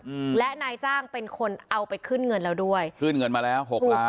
อืมและนายจ้างเป็นคนเอาไปขึ้นเงินแล้วด้วยขึ้นเงินมาแล้วหกล้าน